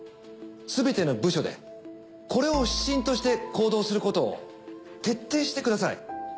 すべての部署でこれを指針として行動することを徹底してください。